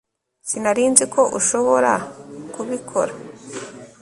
sinari nzi ko ushobora kubikora